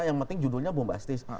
yang penting judulnya bombastis